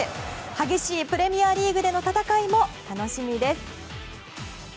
激しいプレミアリーグでの戦いも楽しみです。